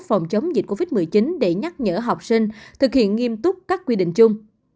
phòng chống dịch covid một mươi chín để nhắc nhở học sinh thực hiện nghiêm túc các quy định chung